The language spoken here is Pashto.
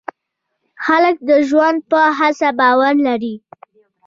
هلک د ژوند په هڅه باور لري.